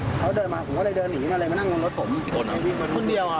ก็เขาเดินมากูก็ด้วยเดินหนีมานั่งรถสมอีกนี่ไปต้นเดียวอะ